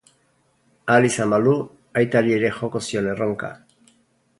Ahal izan balu, aitari ere joko zion erronka.